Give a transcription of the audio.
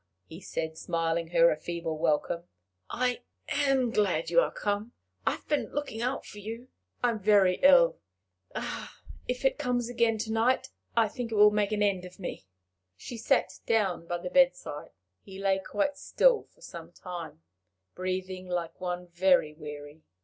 he said, smiling her a feeble welcome. "I am glad you are come. I have been looking out for you. I am very ill. If it comes again to night, I think it will make an end of me." She sat down by the bedside. He lay quite still for some time, breathing like one very weary.